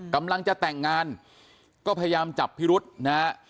กำลังจะแต่งงานก็พยายามจับพิรุษนะฮะ